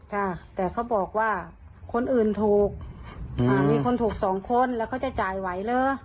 ค่ะแต่เขาบอกว่าคนอื่นถูกอ่ามีคนถูกสองคนแล้วเขาจะจ่ายไหวเหรอ